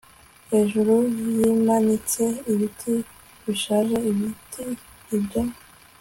hejuru yimanitse ibiti bishaje-ibiti ibyo